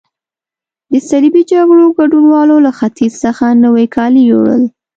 د صلیبي جګړو ګډوالو له ختیځ څخه نوي کالي یوړل.